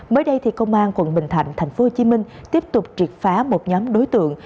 mới đây thì công an tp hcm tiếp tục triệt phá một nhóm đối tượng